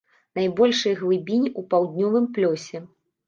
Найбольшыя глыбіні ў паўднёвым плёсе.